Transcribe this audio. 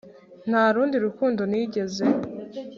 nta rundi rukundo, nigeze